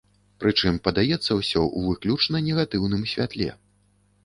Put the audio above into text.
Прычым, падаецца ўсё ў выключна негатыўным святле.